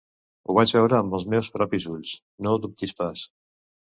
Ho vaig veure amb els meus propis ulls. No ho dubtis pas.